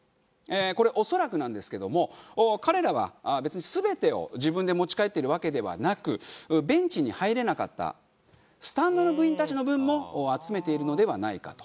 これ恐らくなんですけども彼らは別に全てを自分で持ち帰っているわけではなくベンチに入れなかったスタンドの部員たちの分も集めているのではないかと。